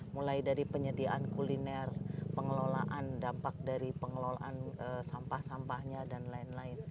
mulai dari penyediaan kuliner pengelolaan dampak dari pengelolaan sampah sampahnya dan lain lain